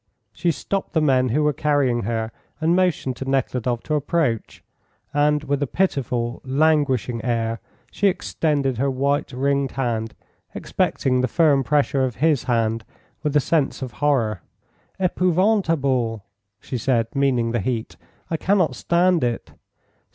She stopped the men who were carrying her, and motioned to Nekhludoff to approach, and, with a pitiful, languishing air, she extended her white, ringed hand, expecting the firm pressure of his hand with a sense of horror. "Epouvantable!" she said, meaning the heat. "I cannot stand it!